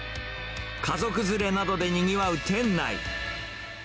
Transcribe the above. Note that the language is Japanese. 家族連れなどでにぎわう店内。